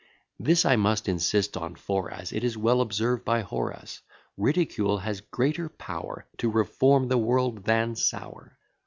This I must insist on; for, as It is well observed by Horace, Ridicule has greater power To reform the world than sour.